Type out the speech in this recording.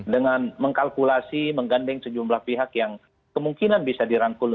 dengan mengkalkulasi menggandeng sejumlah pihak yang kemungkinan bisa dirangkul